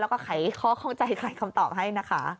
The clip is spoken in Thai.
แล้วก็ขายข้อคลองใจขายคำตอบให้นะคะ